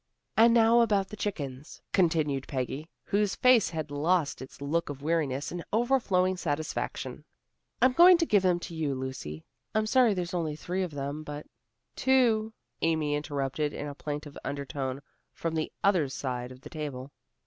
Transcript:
"And now about the chickens," continued Peggy, whose face had lost its look of weariness in overflowing satisfaction. "I'm going to give them to you, Lucy. I'm sorry there's only three of them, but " "Two," Amy interrupted in a plaintive undertone from the other side of the table.